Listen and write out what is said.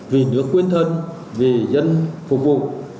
vì nước quên thân vì dân phục vụ